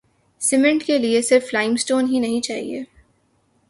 Cement کیلئے صرف limestone ہی نہیں چاہیے۔